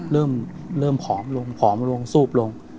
เริ่มผอมลงสูบลง